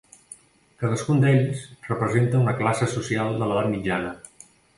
Cadascun d'ells representa una classe social de l'Edat Mitjana.